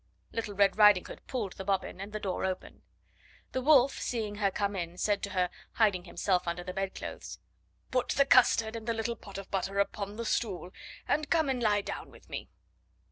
Little Red Riding Hood pulled the bobbin, and the door opened. The Wolf, seeing her come in, said to her, hiding himself under the bed clothes: "Put the custard and the little pot of butter upon the stool, and come and lie down with me."